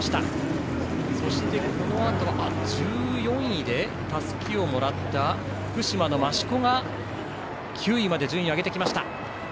このあと、１４位でたすきをもらった福島の増子が９位まで順位を上げてきました。